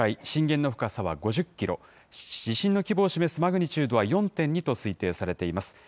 震源の深さは５０キロ、地震の規模を示すマグニチュードは４．２と推定されています。